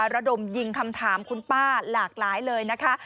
ระดมยิงคำถามคุณป้าหลากหลายเลยนะคะ